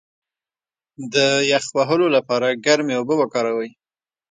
د یخ وهلو لپاره ګرمې اوبه وکاروئ